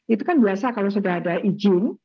itu kan biasa kalau sudah ada izin